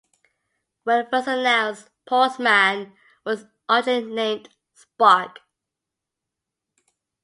When first announced, "Pulseman" was originally named "Spark".